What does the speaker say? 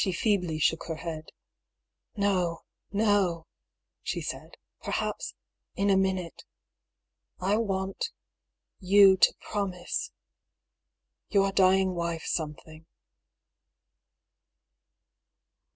She feebly shook her head. " No, no !" she said ;" perhaps in a minute. I want you to promise your dying wife something.